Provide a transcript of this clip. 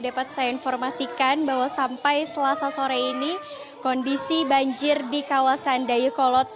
dapat saya informasikan bahwa sampai selasa sore ini kondisi banjir di kawasan dayu kolot